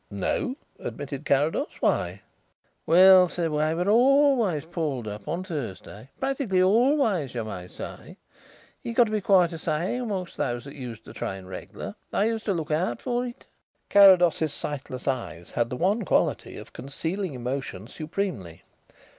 "No," admitted Carrados. "Why?" "Well, sir, we were always pulled up on Thursday; practically always, you may say. It got to be quite a saying among those who used the train regular; they used to look out for it." Carrados's sightless eyes had the one quality of concealing emotion supremely.